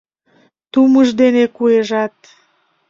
Тумыж дене куэжат